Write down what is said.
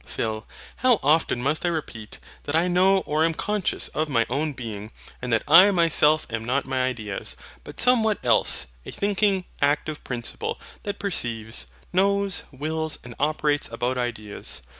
PHIL. How often must I repeat, that I know or am conscious of my own being; and that I MYSELF am not my ideas, but somewhat else, a thinking, active principle that perceives, knows, wills, and operates about ideas.